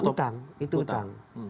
utang itu utang